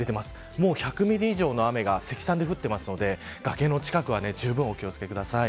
もう１００ミリ以上の雨が積算で降っているので崖の近くはじゅうぶんお気を付けください。